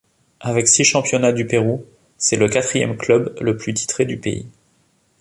Avec six championnats du Pérou, c'est le quatrième club le plus titré du pays.